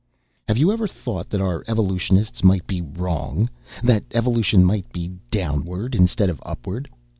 "Have you ever thought that our evolutionists might be wrong, that evolution might be downward instead of upward?